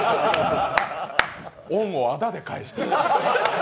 恩をあだで返した。